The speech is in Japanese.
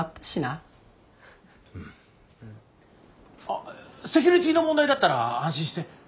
あっセキュリティーの問題だったら安心して。